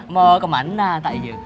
mau kemana takge